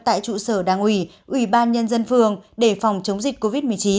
tại trụ sở đảng ủy ủy ban nhân dân phường để phòng chống dịch covid một mươi chín